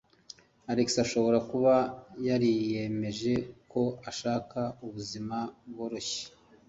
Alex ashobora kuba yariyemeje ko ashaka ubuzima bworoshye.